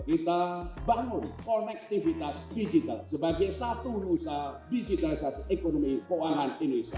kita bangun konektivitas digital sebagai satu nusa digitalisasi ekonomi keuangan indonesia